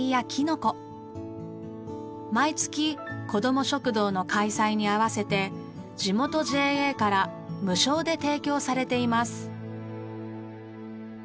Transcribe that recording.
毎月こども食堂の開催に合わせて地元ＪＡから無償で提供されています。